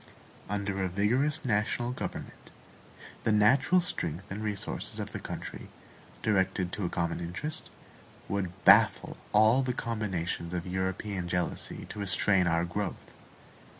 Under a vigorous national government, the natural strength and resources of the country, directed to a common interest, would baffle all the combinations of European jealousy to restrain our growth.